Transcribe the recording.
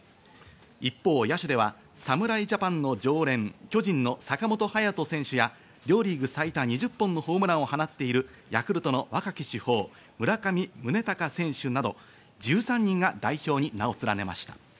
一方、野手では侍ジャパンの常連、巨人の坂本勇人選手や両リーグ最多２０本のホームランを放っているヤクルトの若き主砲・村上宗隆選手など１３人が代表に名を連ねました。